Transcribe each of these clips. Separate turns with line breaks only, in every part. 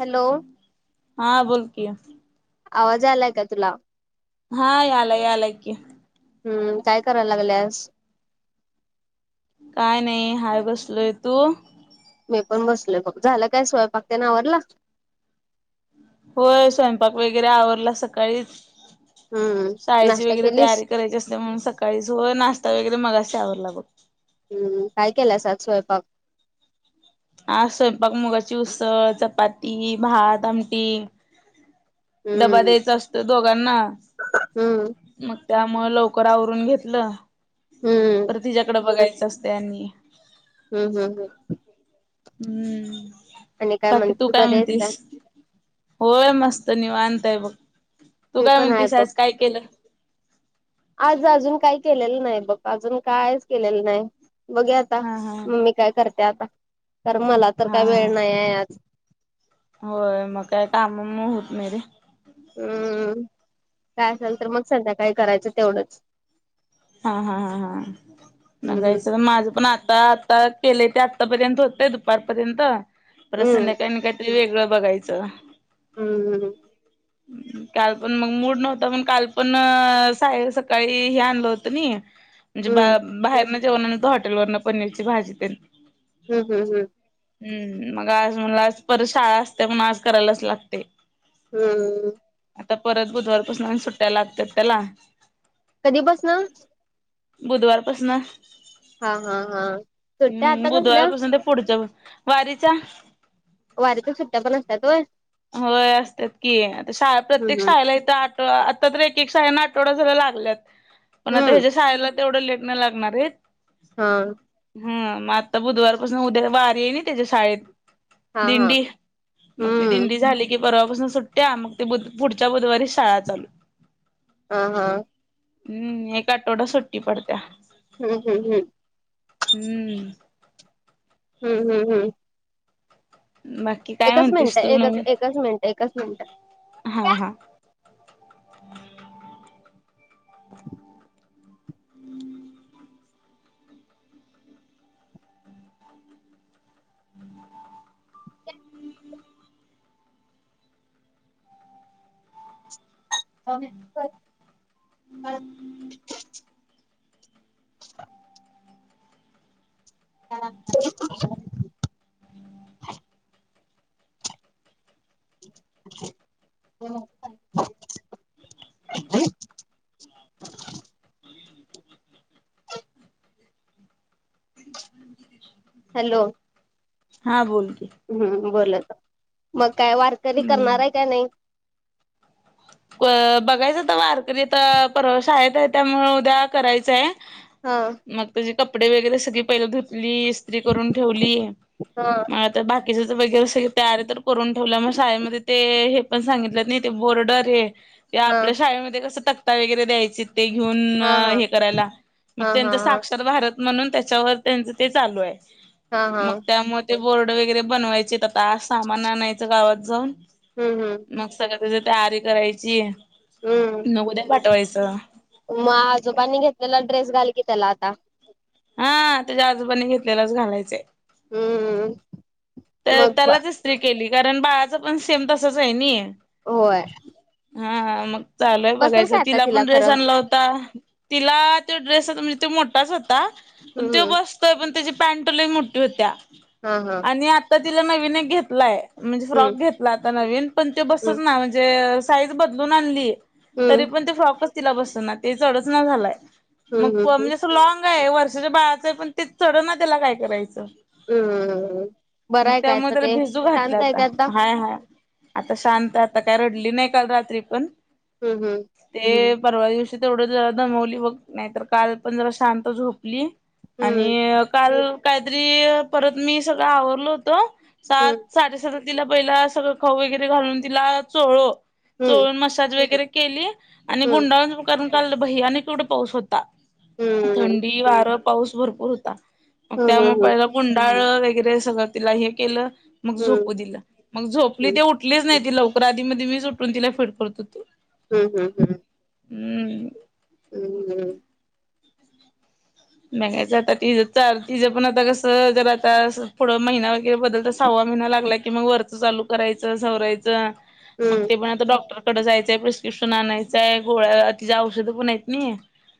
Hello
हा बोल की
आवाज आलाय का तुला?
हा याला यालाय की
हम्म काय करायला लागल्यास
काय नाही हाय बसलोय तू
मी पण बसलोय बघ झालं काय स्वयंपाक त्या आवरला
होय स्वयंपाक वगैरे आवरला सकाळीच
हम्म
शाळेची
नाश्ता
वगैरे
केलीस
तैयारी करायची असते मग सकाळीच व नाश्ता वगैरे मगाशी आवारला वर लागतं.
हम्म काय केलंस आज स्वयंपाक?
हा स्वयंपाक मुगाची उसळ चपाती भात आमटी डबा
हम्म
द्यायचा असत दोघांना
हम्म
मग त्यामुळे लवकर आवरून घेतलं
हम्म
तर तिच्यायाकडे बघायचं असतं. दनी [unintelligible]
हम्म हम्म हम्म
हम्म
आणि
बाकी तू
म्हणतेस
काय
बरी आहेस
म्हणतीस? होय मस्त निवांत आहे बघ तू
ते
काय
पण आहे
म्हणतीस
बघ
आज काय केलं
आज अजून काही केलेलं नाही बघ अजून कायच केलेलं नाही. बघुया आता
हा हा
मम्मी काय करते आता कारण मला तर
हा
काय वेळ नाही
हा
आहे आज
होय मग काय कामामुळे होत नाही
हम्म काय असेल तर मग संध्याकाळी काही करायचं तेवढंच
हा हा हा हा
हम्म
बघायचं तर माझ्या पण आता केलेय ते आतापर्यंत होतय दुपारपर्यंत
हम्म
संध्याकाळी का ते वेगळं बघायचं.
हम्म हम्म
काल पण मग मूड नव्हतं पण काल पण साय सकाळी हे आणल होत म्हणजे बा
हम्म
बाहेर न जेवण आणि त हॉटेल वरण पनीरची भाजी ते
हम् हम् हम.
हम्म मग आज मलाच परत शाळा असते म्हणून आज करायलाच लागते.
हम्म.
आता परत बुधवारपासून आणि सुट्टाय लागत्यात त्याला.
कधी पसनं.
बुधवारपासन.
हा हा हा सुट्ट्या
हम्म
आता कसल्या
बुधवारपासून ते पुढच्या वारीच्या.
वारीच्या सुट्ट्या पण अस्त्यात वय.
होय असत्यात की शा प्रत्येक
हम्म
शाळेला इथं आठ आता तर एक एक शाळेंना आठवडा झाल लागल्यात, पण आता
हम्म हम्म
हिच्या शाळेला तेवढं लेटणं लागणार आहेत.
हा.
हम मग आता बुधवारपासून उद्या वारी आहे ना त्याच्या शाळेत,
हा हा
दिंडी. मग ती
हम्म
दिंडी झाली की परवापासून सुट्ट्या मग ते पुढच्या बुधवारी शाळा चालू.
हा हा.
हम्म एक आठवडा सुट्टी पडत्या.
हम् हम् हम्.
हम्म.
हम्म हम् हम्म.
मग.
एकच मिनिटं एकच एकच मिनिटं एकच मिनिटं.
हा हा.
[unintelligible] [unintelligible] हो. हॅलो.
हां बोल की.
हम्म बोलत, मग काय वारकरी करणार
हम्म.
आहे काय नाही.
बघायचं तवा वारकरी त परवा शाळेत आहे त्यामुळ उद्या करायचंय.
हा.
मग तुझी कपडे वगैरे सगळी पहिला धुतली इस्त्री करून ठेवली.
हा.
तर बाकीच [unintelligible] वगैरे अस तयार तर करून ठेवल्या मग शाळेमध्ये ते हे पण सांगितलं नाही ते बोर्डर हे,
हा
आपल्या शाळेमध्ये कसं तकता वगैरे द्यायचे. ते घेऊन
हा हा
हे करायला, मग
हा हा
त्यांच
हा
साक्षात भारत म्हणून त्याच्यावर त्यांच ते चालू आहे,
हा हा
मग त्यामुळे बोर्ड वगैरे बनवायचे. आता सामान आणायचं गावात जाऊन.
हम्म हम्म.
मग सगळं त्याची तयारी करायची,
हम्म
न उद्या पाठवायचं.
मग आजोबांनी घेतलेला ड्रेस घाल की त्याला आता.
हा त्याच्या आजोबानी घेतलेलाच घालायचंय.
हम्म‌.
त त्यालाच इस्त्री केली कारण बाळाच पण सेम तसच आहे नी.
होय.
हा मग चालू हाय
बसेल
बघायचं
काय आता
तिला पण ड्रेस
खरं
आणला होता. तिला तो ड्रेस म्हणजे तो मोठाच होता पण
हम्म
तो
हम्म
बस त पण त्याची पॅन्ट लयी मोठी होत्या
हा हा
आणि आता तिला नवीन एक घेतलाय. म्हणजे फ्रॉक
हम्म
घेतला आता नवीन पण तो
हम्म
बसच ना म्हणजे साईज बदलून आणली. तरी
हम्म
पण ते फ्रॉकच तिला बसना ते चढच ना झालाय. मग
हम्म हम्म हम्म
म्हणजे अस लॉंग आहे वर्षाच्या बाळाचं आहे पण ते चढ ना त्याला काय करायचं.
हम्ममम
मग त्यामुळे तर भिजू घातला आता हाय हाय आता शांत आता काय रडली नाही काल रात्री पण
हम् हम्
ते परवा दिवशी तेवढं जरा दमवली बघ नाही तर काल पण जरा शांत झोपली
हम्म
आणि काल काहीतरी परत मी सगळं आवरलो होत सात
हम्म
साडेसात तिला पहिला सगळं खाऊ वगैरे घालून तिला चोळलो
हम्म
चोळून मसाज वगैरे केली आणि
हम्म
गुंडाळ करून काल भयानक केवढा पाऊस होता
हम्म
थंडी वारं पाऊस भरपूर होता मग
हम्म
त्यामुळे
हम्म
पहिला कुंडाळ वगैरे सगळं तिला हे केलं मग
हम्म
झोपू दिलं मग झोपली ते उ उठलीच नाही ती लवकर आधी मध्ये मीच उठून तिला फिड करत हुतो
हम् हम् हम्
हम्
हम्मम्
मच आता तीं चार तिज पण आता कसं जर आता पुढं महिना वगैरे बदलत सव्वा महिना लागला की मग वरच चालू करायचं सवरायचं मग
हम्म
ते पण आता डॉक्टर डॉक्टर जायचंय प्रिस्क्रिप्शन आणायचय गोळ्या तिज औषधं पण आहेत नाही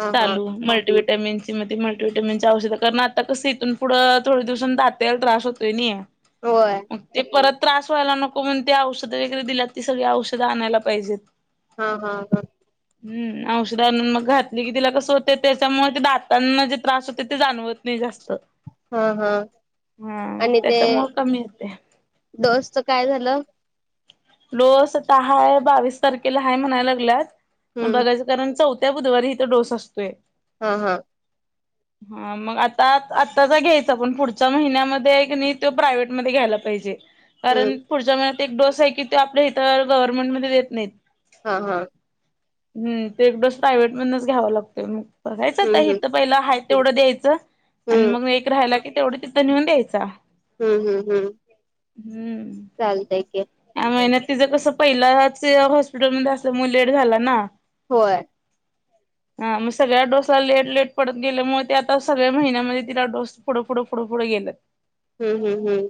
हा हा
चालू मल्टीव्हिटॅमिन्स म मल्टीव्हिटॅमिन औषध कारण आता कस इथून पुढंथोडे दिवसान दात यायला त्रास होतोय नि
होय
ग ते परत त्रास व्हायला नको म्हण ते औषध वगैरे दिल्या ती सगळी औषधं आणायला पाहिजेत
हा हा हा
हम् औषध आणून मग घातली की तिला कसं होते त्याच्यामुळे ते दात त्यांना जे त्रास होते ते जाणवत नाही जास्त
हा हा
हम
आणि ते
त्याच्या मूळ कमी येते
डोसच काय झालं
लोसवतःय बावीस तारखेला हा म्हणायला लागल्यात मग
हम्म
बघायचं कारण चौथ त्या बुधवारी हिो डोस असतोय
हा हा
हा मग आता आत्ताचा घ्यायचा पण पुढच्या महिन्यामध्ये क नाही तो प्रायव्हेटमध्ये घ्यायला पाहिजे कारण
हम्म
पुढच्या महिन्यात एक डोस आहे की तो आपल्या इथ गव्हर्मेंट मध्ये देत नाहीत.
हा हा
हम्म ते एक डोस प्रायव्हेट मधनंच घ्यावा लागतोय मग
हम्म
बघायचं पहिला हा तेवढं द्यायचं आणि
हम्म
मग एक राहायला की तेवढं तिथं नेऊन द्यायचा
हम्म हम्म हम्
हम्म
चालत क
या महिन्यातिचं कसं पहिलाच हॉस्पिटलमध्येध्ये असलं मग लेट झाला ना
होय
हां मग सग्या डोस लेट लेट पडत गेल्यामुळे ते आता सगळ्या महिन्यामध्ये तिला डोस फुों फुडं फढं फुढं गेलात
हम्म हम् हम्म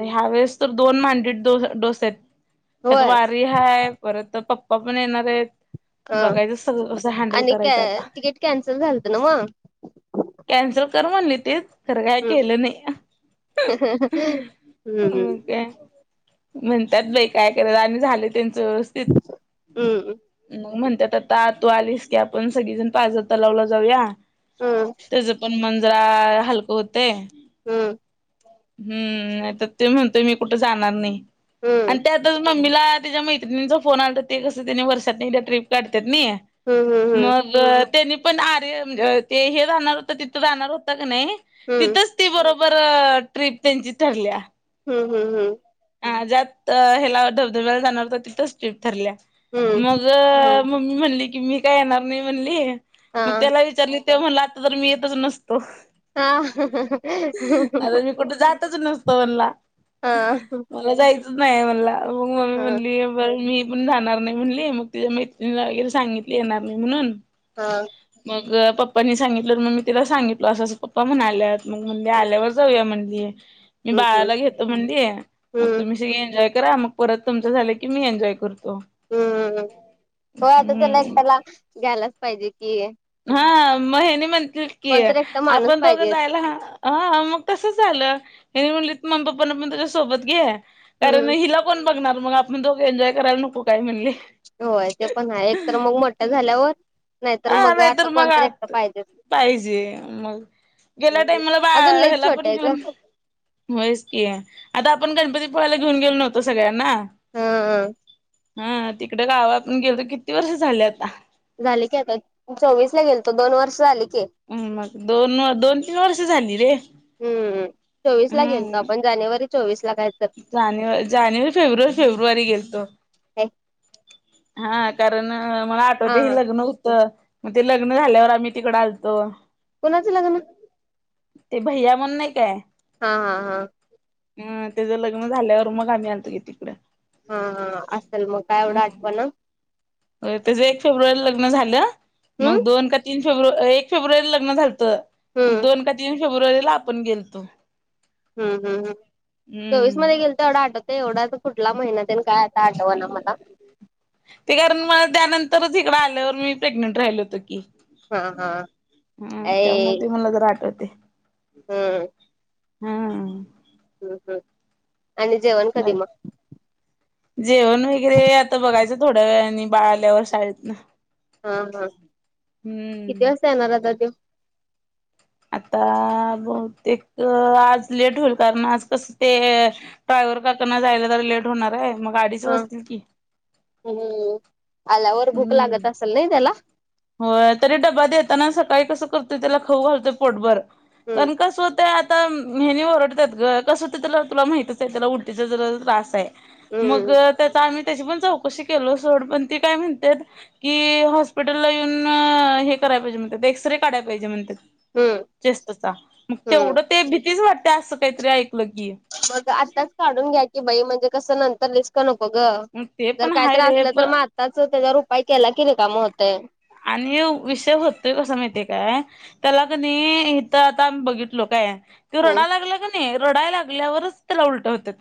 ह्या वेळेस तर दोन मांडीो डोसे आहेत त्यात
होय
वार री हाय परत पप्पा पण येणार आहेत
हा
बघायचं सगळं कसं हँडल
आणि
करायचं
काय
आता
तिकीट कॅन्सल झालत ना मग
कॅन्सल कर म्हणली ते करगय
हम्म
कल नाहीके
हम्म
म्हणतात बाई काय कराल आणि झाले त्यांच व्यवस्थित
हम्म
मग म्हणतात आता तू आलीस की आपण सगळीजण पाजरता लावला जाऊया
हम्म
त्याच पण मंजरा हलकं होते
हम्म
हम्म नाही तर ते म्हणतोय मी कुठे जाणार नाही. आणि त्यातच मम्मीला त्याच्या मैत्रिणीचा फोन आत ते कसं त्याने वर्षातने एकदा ट्र्रीप काढतात नाही
हम् हम हम्.
मग त्यांनी पण आर्य म्हण ते हे राहणार होत तिथं राहणार होत क नाही तिथंच बरोबर ट्रीप त्यांची ठरली
हम् हम् हम्
ह ज्यात ह्याला धबधब्याला जाणार होत तिथंच ट्रीप ठरल्या मग
हम्म
मम्मी म्हणली की मी काय येणार नाही म्हणली
हा
मग त्याला विचार ते म्हणला आता तर मी येतच नसतो
हा
अर मी कुठे जातच नसतो म्हणला
हा हा
मला जायच नाही म्हणला मग ममी
हा
म्हणली बर मी पण जाणार नाही म्हणली मग तिच्या मैत्रिणीला वगैरे सांगितले येणार नाही म्हणून
हा
मग पप्पांनी सांगितलं मग मी तिला सांगितललं असं् पप्पा म्हण आल्यात मग म्हणजे आल्यावर जाऊया म्हणे मी
हम्म हम्म
बाळाला घेतो म्हणली मग
हम्म
तुम्ही एन्जॉय करा मग परत तुमचं झालं की मी एन्जॉय करतो
हम् हो आता तर नाही एक
हम्म
त्याला घ्यायलाच पाहिजे कि
हा म हेनी म्हणतील की
कोणतर एकटा माणूस
आपण दोघं
पाहिजे
जायला हा. हा मग कसं झालं हे म्हणली म्मी पप्पाना पण त्याझ्या सोबत घे कारण
हम्म
हिला पण बघणार मग आपण दोघं एन्जॉय करायला नको काही म्हणले
होय ते पण आहे एक तर मग मोठ्या झाल्यावर नाहीतर
हा
मग
नाहीतर
आता
मग
कोणतरी एकट
आत
पाहिजेच
पाहिजे मग गेल्या टाईमला बा
अजून लईच
ह्याला
छोटा
पण
आहे ग.
घेऊन होच की आता आपण गणपतीपुळाला घेऊन गेलो नव्हतो सगळ्यांना
हा
हा तिकडे गाव आपण गेलो तर किती वर्ष झाले आता
झाले की आता चोवीस ला गेलो दोन वर्ष झालेली
म मग दोन दोन तीन वर्ष झाली रे
हम्म चोवीस ला गेलताव
हम्म
आपण जानेवारी चोवीस ला काय तर-
जानेवारी जानेवारी फेब्रुवारी फेब्रुवारी गेलतो
हा
हा कारण मला ते
हा
लग्न होत मग ते लग्न झाल्यावर आम्ही तिकड आलतो
कोुणाचं लग्न
ते भैया म्हण नाही काय
हा हा हा
हं त्याचं लग्न झाल्यावर मग आम्ही आणतो की तिकडं
हा हा असेल मग काय एवढं आठवणा
त्याच एक फेब्रुवारीला लग्न झालं मग
हम्म
दोन का तीन फेब्रुवारी एक फेब्रुवारीला लग्न झालं
हम्म
दोन का तीन फेब्रुवारीला आपण गेलतो.
हम् हम् हम चोवीस मध्ये
हम्म
गेल तर एवढा आठवतय एवढा तर कुठला महिनाते काय? आठव ना मला
ते कारण मला त्यानंतरच इकडं आल्यावर मी प्रेग्नेंट राहिल होत की
हा हा
हम्
ऐ
त्यामुळे ते मला जरा आठवते
हम्म
हम्
हम् हम् आणि जेवण कधी मग
जेवण वगैरे आता बघायचं थोड्या वेळानी बाळ आल्यावर शाळेतन
हा हा किती
हम्म.
वाजता येणार आता त्यो
आता बहुतेक आज लेट होईल कारण आज कसं ते ड्रायवर काकना जायला तर लेट होणार आहे मग गाडीच
हा
बसतील की
हम्म आल्यावर भूक लागत
हम्म.
असेल नाही त्याला
होय तरी डबा देताना सकाळी कसं करतोय त्याला खाऊ घालतोय पोटभर
हम्म
कारण कसं होतं. आता हेनी ओरडतात ग कसं तुला माहितच आहे त्याला उलटीचा जर त्रास आहे. मग
हम्म
आम् त्याची पण चौशी केलो पण ते काय म्हणतेत. ला येऊन हे कराय पाहिजे म्हणतात एक्सरे काढायला पाहिजे म्हणतात.
हम्म
चेस्तचा मग
हम्म
तेवढं ते भीतीच वाटते असं काहीतरी ऐकलं की
मग आत्ताच काढून घ्या की बाई म्हणजे कसं नंतर रिस्क. नको ग
मग ते
जर
पण
काय तर
हाय रे
असलं तर
पण
मग आताच त्याच्यावर उपाय केला कि रीकाम होतं.
आणि विषय होतोय कसं माहितीय काय? त्याला क नाही इथं आता आम्ही बघितलो काय? त
हम्म
रडा लागला का नाही रडाय लागल्यावरच त्याला उलट होतात.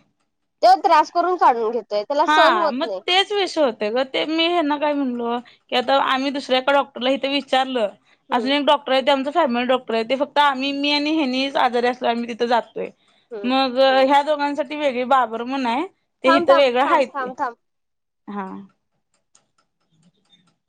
ते त्रास करून काढून घेतो.
हा म तेच. विष होते ग ते मी हे ना काय म्हणलो की आता आम्ही दुसऱ्या एका डॉक्टरला इथे विचारलं. अून
हम्म
एक डॉक्टर आहे ते आमंचा फॅमिली डॉक्टर आहे ते फक्त आम्ही मी आणि हेनीहीच आजारी असलो आम्ही तिथे जातोय.
हम्म
मग ह्या दोघांसाठी वेगळी बाबर म्हणून आहे. ते
थां
इथं
थां
वेगळं
थां
हाय
थम
ते
थांम.
हा